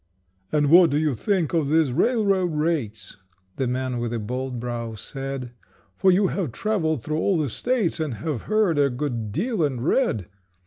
"And what do you think of these railroad rates?" The man with a bald brow said, "For you have travelled through all the states And have heard a good deal and read."